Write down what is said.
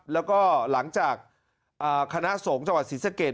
แล้วก็หลังจากคณะสงฆ์จังหวัดศรีสะเกด